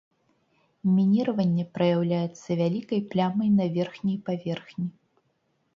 Мініраванне праяўляецца вялікай плямай на верхняй паверхні.